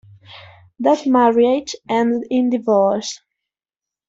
That marriage ended in divorce.